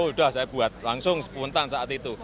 oh udah saya buat langsung spontan saat itu